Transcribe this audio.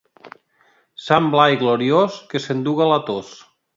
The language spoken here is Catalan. Sant Blai gloriós, que s'enduga la tos.